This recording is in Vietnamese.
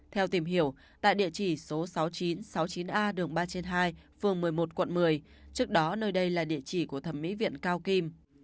theo tìm hiểu tại địa chỉ số sáu nghìn chín trăm sáu mươi chín a đường ba trên hai phường một mươi một quận một mươi trước đó nơi đây là địa chỉ của thẩm mỹ viện cao kim